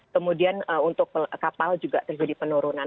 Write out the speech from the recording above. kemudian untuk kapal juga terjadi penurunan